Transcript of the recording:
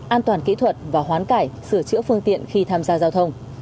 an toàn kỹ thuật và hoán cải sửa chữa phương tiện khi tham gia giao thông